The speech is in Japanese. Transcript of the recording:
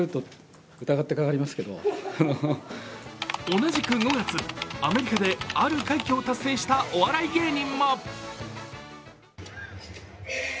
同じく５月、アメリカである快挙を達成したお笑い芸人も。